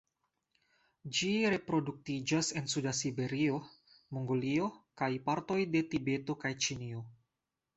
Ĝi reproduktiĝas en suda Siberio, Mongolio kaj partoj de Tibeto kaj Ĉinio.